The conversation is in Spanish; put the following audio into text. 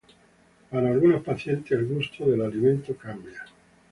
Para algunos pacientes, el gusto del alimento cambia.